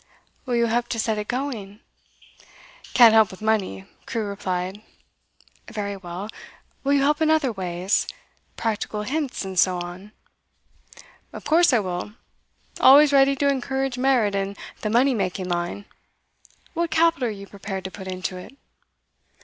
'Will you help to set it going?' 'Can't help with money,' Crewe replied. 'Very well; will you help in other ways? Practical hints, and so on?' 'Of course I will. Always ready to encourage merit in the money making line. What capital are you prepared to put into it?